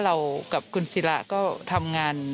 เรากับคุณศิระก็ทำงาน